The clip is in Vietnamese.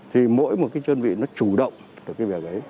thì mỗi một chân vị nó chủ động